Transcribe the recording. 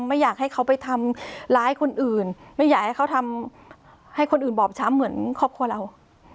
ไม่อยากให้เขาไปทำร้ายคนอื่นไม่อยากให้เขาทำให้คนอื่นบอบช้ำเหมือนครอบครัวเรา